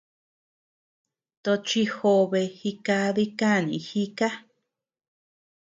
Tochi jobe jikadi kanii jika.